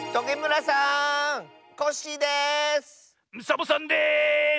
サボさんです！